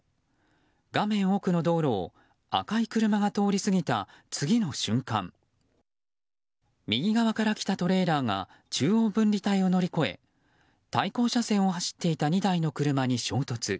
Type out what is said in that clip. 画面奥の道路を赤い車が通り過ぎた次の瞬間右側から来たトレーラーが中央分離帯を乗り越え対向車線を走っていた２台の車に衝突。